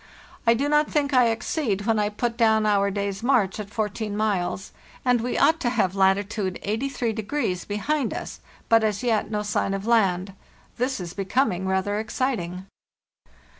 "TI do not think I exceed when I put down our day's march at 14 miles, and we ought to have latitude 83° be hind us, but as yet no sign of land. This is becoming rather exciting.